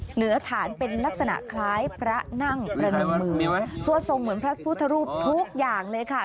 เหนือฐานเป็นลักษณะคล้ายพระนั่งประเดิมมือสวดทรงเหมือนพระพุทธรูปทุกอย่างเลยค่ะ